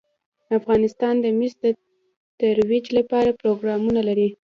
افغانستان د مس د ترویج لپاره پروګرامونه لري.